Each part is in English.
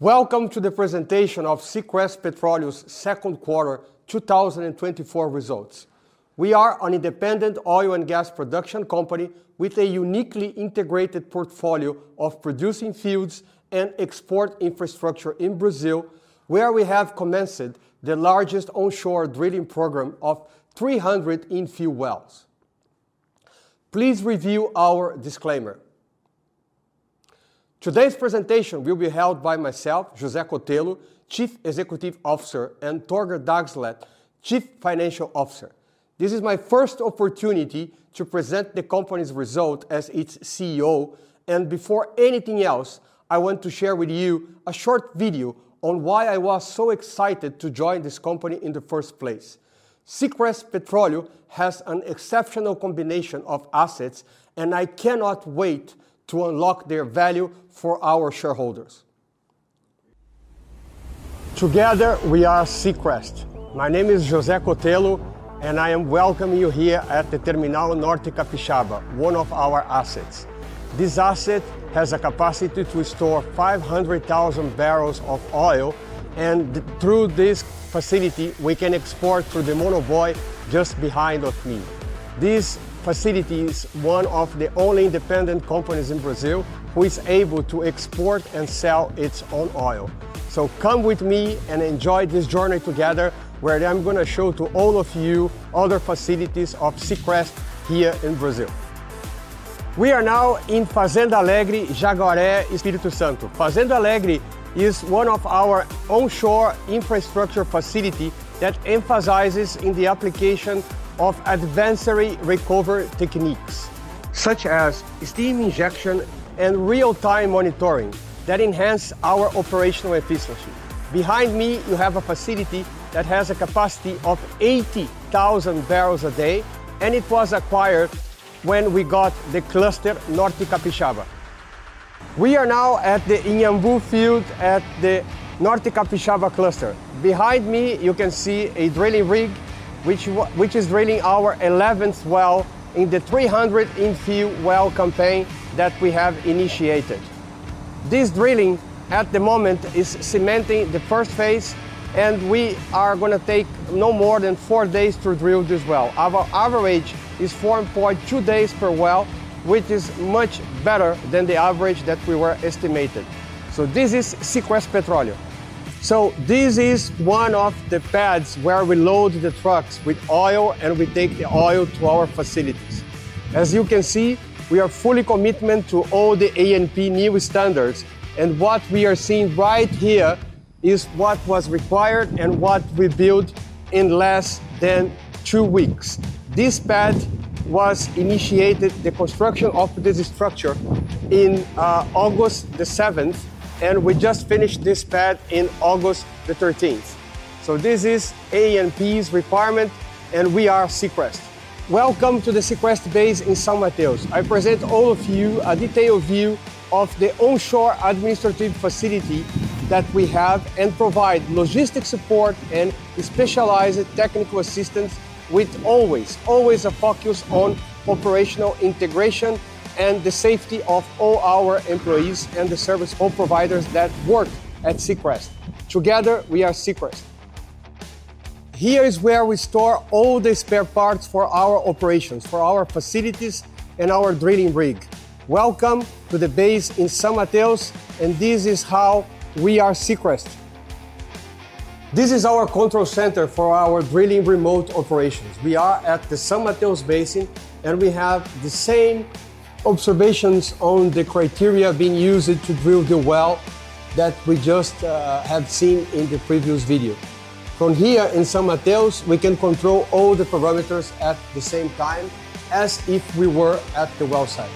Welcome to the presentation of Seacrest Petroleo second quarter two thousand and twenty-four results. We are an independent oil and gas production company with a uniquely integrated portfolio of producing fields and export infrastructure in Brazil, where we have commenced the largest onshore drilling program of 300 infill wells. Please review our disclaimer. Today's presentation will be held by myself, José Cotelo, Chief Executive Officer, and Torgeir Dagsleth, Chief Financial Officer. This is my first opportunity to present the company's result as its CEO, and before anything else, I want to share with you a short video on why I was so excited to join this company in the first place. Seacrest Petroleo has an exceptional combination of assets, and I cannot wait to unlock their value for our shareholders. Together, we are Seacrest. My name is José Cotelo, and I am welcoming you here at the Terminal Norte Capixaba, one of our assets. This asset has a capacity to store 500,000 barrels of oil, and through this facility, we can export through the monobuoy just behind of me. This facility is one of the only independent companies in Brazil who is able to export and sell its own oil. So come with me and enjoy this journey together, where I'm gonna show to all of you other facilities of Seacrest here in Brazil. We are now in Fazenda Alegre, Jaguaré, Espírito Santo. Fazenda Alegre is one of our onshore infrastructure facility that emphasizes in the application of advanced recovery techniques, such as steam injection and real-time monitoring that enhance our operational efficiency. Behind me, you have a facility that has a capacity of 80,000 barrels a day, and it was acquired when we got the cluster, Norte Capixaba. We are now at the Inhambu field at the Norte Capixaba Cluster. Behind me, you can see a drilling rig, which is drilling our eleventh well in the 300 infill well campaign that we have initiated. This drilling, at the moment, is cementing the first phase, and we are gonna take no more than four days to drill this well. Our average is 4.2 days per well, which is much better than the average that we were estimated. So this is Seacrest Petroleum. So this is one of the pads where we load the trucks with oil, and we take the oil to our facilities. As you can see, we are fully committed to all the ANP new standards, and what we are seeing right here is what was required and what we built in less than two weeks. This pad was initiated, the construction of this structure, in August the seventh, and we just finished this pad in August the thirteenth, so this is ANP's requirement, and we are Seacrest. Welcome to the Seacrest base in São Mateus. I present all of you a detailed view of the onshore administrative facility that we have and provide logistic support and specialized technical assistance with always, always a focus on operational integration and the safety of all our employees and the service providers that work at Seacrest. Together, we are Seacrest. Here is where we store all the spare parts for our operations, for our facilities, and our drilling rig. Welcome to the base in São Mateus, and this is how we are Seacrest. This is our control center for our drilling remote operations. We are at the São Mateus Base, and we have the same observations on the criteria being used to drill the well that we just have seen in the previous video. From here in São Mateus, we can control all the parameters at the same time as if we were at the well site.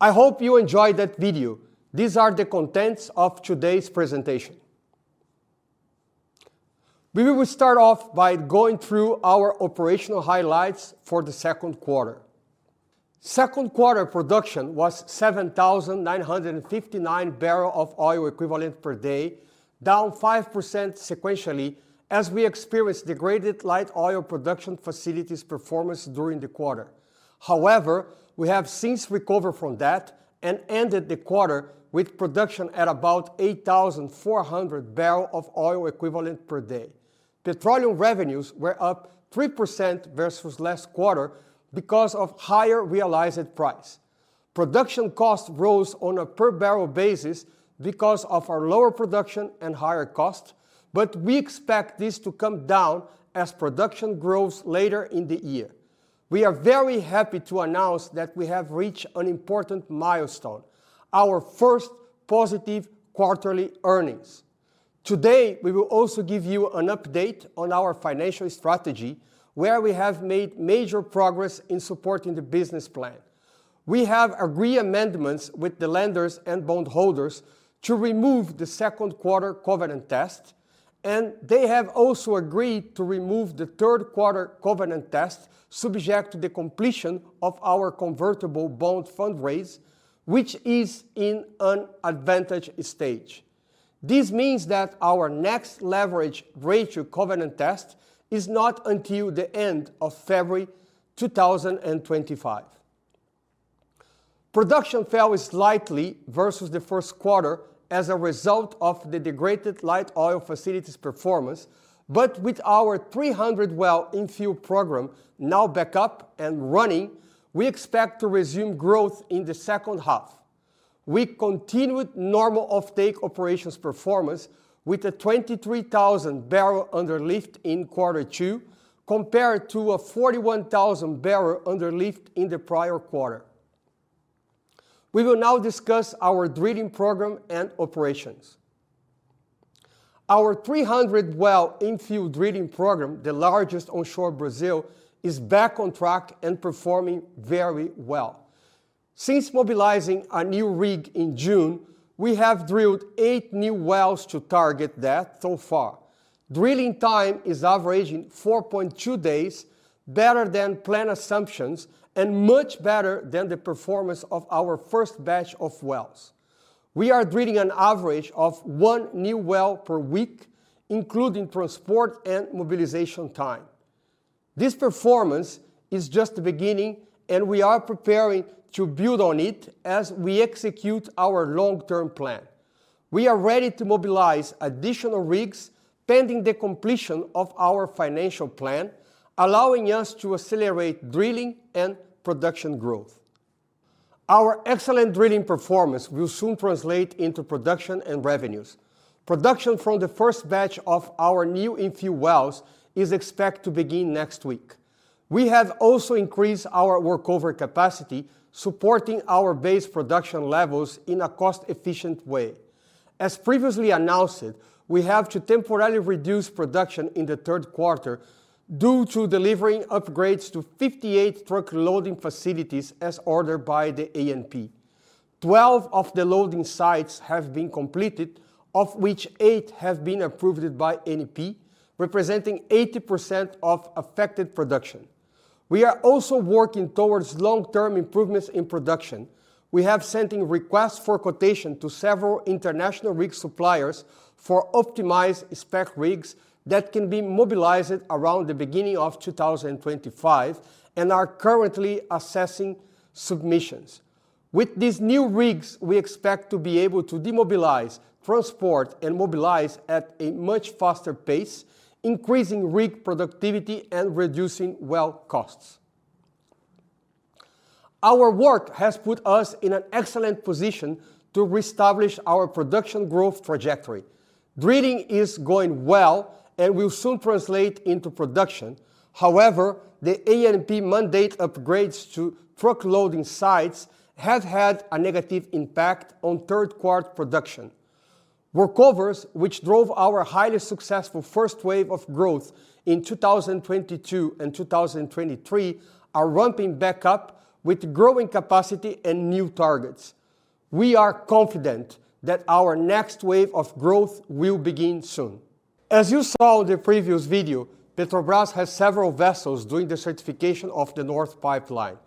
I hope you enjoyed that video. These are the contents of today's presentation. We will start off by going through our operational highlights for the second quarter. Second quarter production was 7,959 barrels of oil equivalent per day, down 5% sequentially, as we experienced degraded light oil production facilities performance during the quarter. However, we have since recovered from that and ended the quarter with production at about 8,400 barrels of oil equivalent per day. Petroleum revenues were up 3% versus last quarter because of higher realized price. Production cost rose on a per-barrel basis because of our lower production and higher costs, but we expect this to come down as production grows later in the year. We are very happy to announce that we have reached an important milestone, our first positive quarterly earnings. Today, we will also give you an update on our financial strategy, where we have made major progress in supporting the business plan. We have agreed amendments with the lenders and bondholders to remove the second quarter covenant test, and they have also agreed to remove the third quarter covenant test, subject to the completion of our convertible bond fundraise, which is in an advanced stage. This means that our next leverage ratio covenant test is not until the end of February 2025. Production fell slightly versus the first quarter as a result of the degraded light oil facilities performance, but with our 300-well infill program now back up and running, we expect to resume growth in the second half. We continued normal offtake operations performance with a 23,000-barrel underlift in quarter two, compared to a 41,000-barrel underlift in the prior quarter. We will now discuss our drilling program and operations. Our 300-well infill drilling program, the largest onshore Brazil, is back on track and performing very well. Since mobilizing a new rig in June, we have drilled eight new wells to target that so far. Drilling time is averaging 4.2 days, better than planned assumptions and much better than the performance of our first batch of wells. We are drilling an average of one new well per week, including transport and mobilization time. This performance is just the beginning, and we are preparing to build on it as we execute our long-term plan. We are ready to mobilize additional rigs, pending the completion of our financial plan, allowing us to accelerate drilling and production growth. Our excellent drilling performance will soon translate into production and revenues. Production from the first batch of our new infill wells is expected to begin next week. We have also increased our workover capacity, supporting our base production levels in a cost-efficient way. As previously announced, we have to temporarily reduce production in the third quarter due to delivering upgrades to 58 truck loading facilities as ordered by the ANP. Twelve of the loading sites have been completed, of which eight have been approved by ANP, representing 80% of affected production. We are also working towards long-term improvements in production. We have sent in requests for quotation to several international rig suppliers for optimized spec rigs that can be mobilized around the beginning of 2025 and are currently assessing submissions. With these new rigs, we expect to be able to demobilize, transport, and mobilize at a much faster pace, increasing rig productivity and reducing well costs. Our work has put us in an excellent position to reestablish our production growth trajectory. Drilling is going well and will soon translate into production. However, the ANP mandate upgrades to truck loading sites have had a negative impact on third quarter production. Workovers, which drove our highly successful first wave of growth in 2022 and 2023, are ramping back up with growing capacity and new targets. We are confident that our next wave of growth will begin soon. As you saw in the previous video, Petrobras has several vessels doing the certification of the North Pipeline.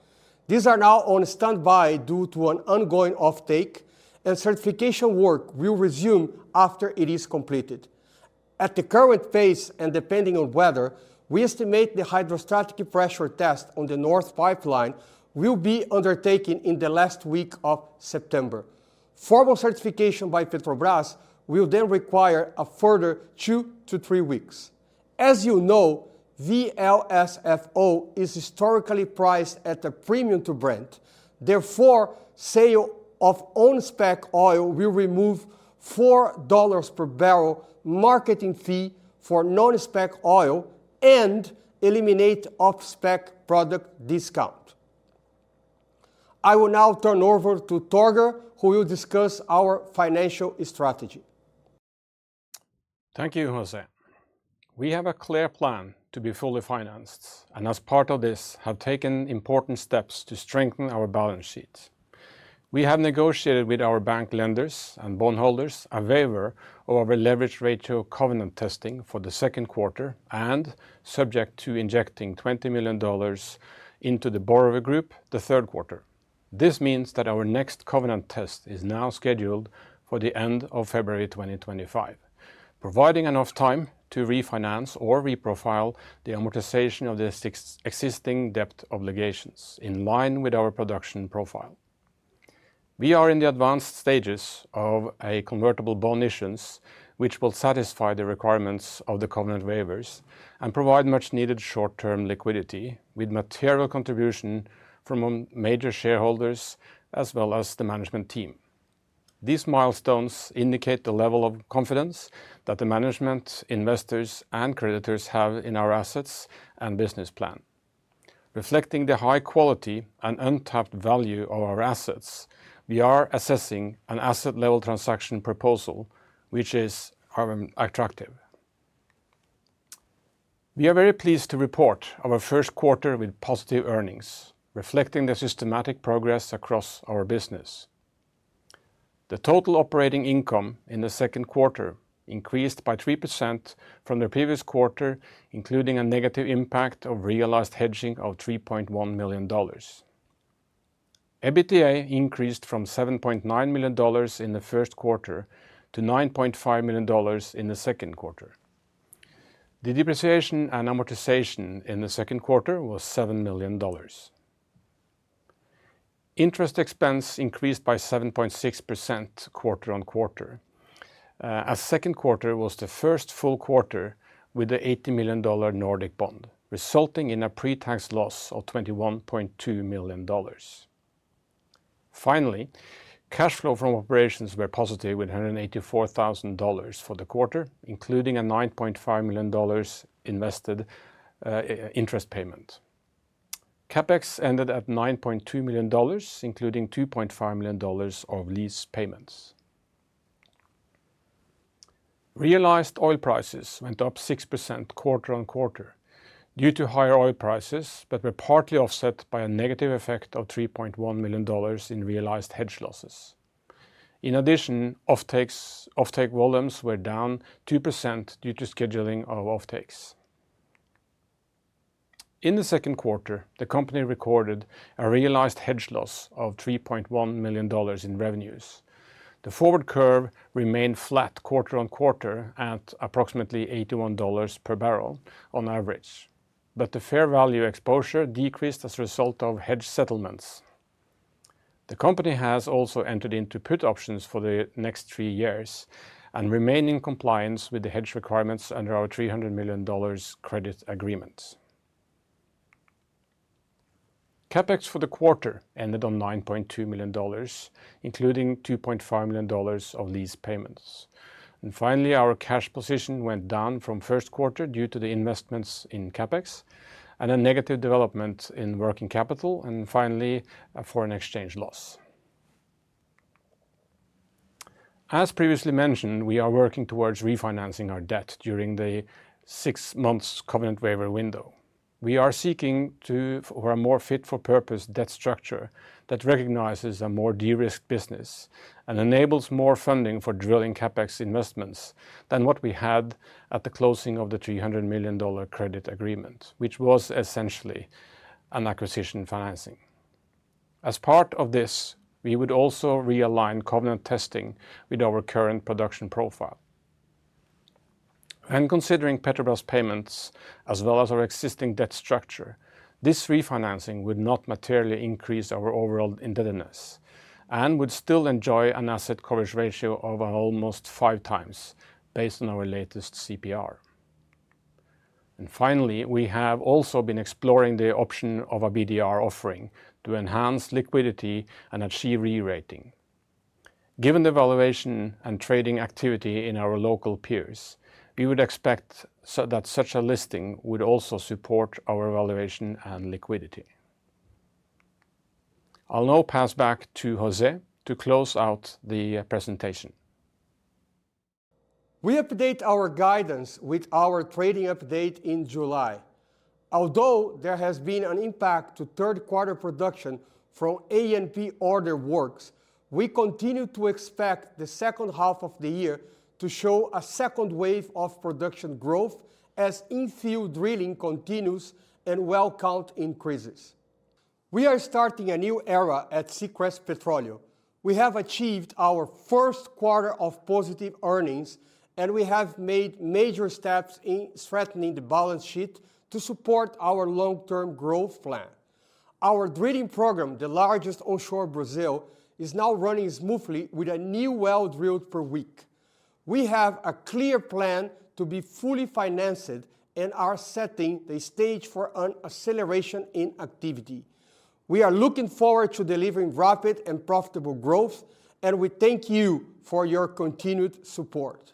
These are now on standby due to an ongoing offtake, and certification work will resume after it is completed. At the current pace, and depending on weather, we estimate the hydrostatic pressure test on the North Pipeline will be undertaken in the last week of September. Formal certification by Petrobras will then require a further two to three weeks. As you know, VLSFO is historically priced at a premium to Brent. Therefore, sale of on-spec oil will remove $4 per barrel marketing fee for non-spec oil and eliminate off-spec product discount. I will now turn over to Torgeir, who will discuss our financial strategy. Thank you, José. We have a clear plan to be fully financed, and as part of this, have taken important steps to strengthen our balance sheet. We have negotiated with our bank lenders and bondholders a waiver of our leverage ratio covenant testing for the second quarter and, subject to injecting $20 million into the borrower group, the third quarter. This means that our next covenant test is now scheduled for the end of February 2025, providing enough time to refinance or reprofile the amortization of the existing debt obligations in line with our production profile. We are in the advanced stages of a convertible bond issuance, which will satisfy the requirements of the covenant waivers and provide much-needed short-term liquidity, with material contribution from major shareholders as well as the management team. These milestones indicate the level of confidence that the management, investors, and creditors have in our assets and business plan. Reflecting the high quality and untapped value of our assets, we are assessing an asset-level transaction proposal, which is attractive. We are very pleased to report our first quarter with positive earnings, reflecting the systematic progress across our business. The total operating income in the second quarter increased by 3% from the previous quarter, including a negative impact of realized hedging of $3.1 million. EBITDA increased from $7.9 million in the first quarter to $9.5 million in the second quarter. The depreciation and amortization in the second quarter was $7 million. Interest expense increased by 7.6% quarter on quarter, as second quarter was the first full quarter with the $80 million Nordic Bond, resulting in a pre-tax loss of $21.2 million. Finally, cash flow from operations were positive with $184,000 for the quarter, including a $9.5 million interest payment. CapEx ended at $9.2 million, including $2.5 million of lease payments. Realized oil prices went up 6% quarter on quarter due to higher oil prices, but were partly offset by a negative effect of $3.1 million in realized hedge losses. In addition, offtake volumes were down 2% due to scheduling of offtakes. In the second quarter, the company recorded a realized hedge loss of $3.1 million in revenues. The forward curve remained flat quarter on quarter at approximately $81 per barrel on average, but the fair value exposure decreased as a result of hedge settlements. The company has also entered into put options for the next three years and remain in compliance with the hedge requirements under our $300 million credit agreement. CapEx for the quarter ended on $9.2 million, including $2.5 million of lease payments. Finally, our cash position went down from first quarter due to the investments in CapEx, and a negative development in working capital, and finally, a foreign exchange loss. As previously mentioned, we are working towards refinancing our debt during the six months covenant waiver window. We are seeking for a more fit for purpose debt structure that recognizes a more de-risked business, and enables more funding for drilling CapEx investments than what we had at the closing of the $300 million credit agreement, which was essentially an acquisition financing. As part of this, we would also realign covenant testing with our current production profile. When considering Petrobras payments, as well as our existing debt structure, this refinancing would not materially increase our overall indebtedness, and would still enjoy an asset coverage ratio of almost five times based on our latest CPR. Finally, we have also been exploring the option of a BDR offering to enhance liquidity and achieve re-rating. Given the valuation and trading activity in our local peers, we would expect that such a listing would also support our valuation and liquidity. I'll now pass back to José to close out the presentation. We update our guidance with our trading update in July. Although there has been an impact to third quarter production from ANP order works, we continue to expect the second half of the year to show a second wave of production growth as infill drilling continues and well count increases. We are starting a new era at Seacrest Petroleum. We have achieved our first quarter of positive earnings, and we have made major steps in strengthening the balance sheet to support our long-term growth plan. Our drilling program, the largest onshore Brazil, is now running smoothly with a new well drilled per week. We have a clear plan to be fully financed and are setting the stage for an acceleration in activity. We are looking forward to delivering rapid and profitable growth, and we thank you for your continued support.